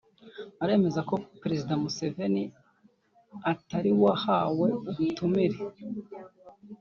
aremeza ko Perezida Museveni utari wahawe ubutumire